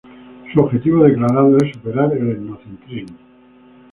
Su objetivo declarado es superar el etnocentrismo.